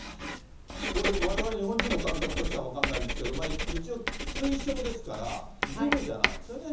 これ、われわれ日本人の感覚としては分かんないんですけど、一応、推奨ですから、義務じゃないんですよね。